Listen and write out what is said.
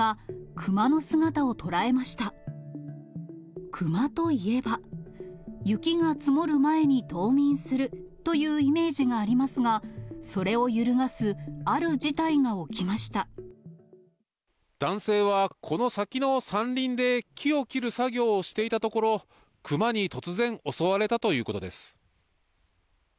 熊といえば、雪が積もる前に冬眠するというイメージがありますが、それを揺る男性は、この先の山林で木を切る作業をしていたところ、熊に突然、襲われたということです。